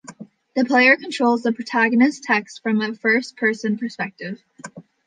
The player controls the protagonist Tex from a first person perspective.